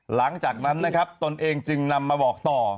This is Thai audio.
หลังจากนั้นนะครับตนเองจึงนำมาบอกต่อ